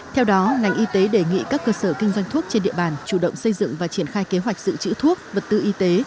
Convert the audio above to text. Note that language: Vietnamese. theo đó ngành y tế đề nghị các cơ sở kinh doanh thuốc trên địa bàn chủ động xây dựng và triển khai kế hoạch giữ chữ thuốc vật tư y tế